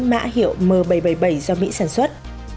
mã hiệu m bảy trăm bảy mươi bảy do mỹ sản xuất